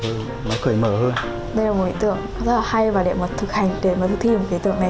đây là một ý tưởng rất là hay và để thực hành để thực hiện một ý tưởng này